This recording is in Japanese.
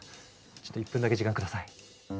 ちょっと１分だけ時間下さい。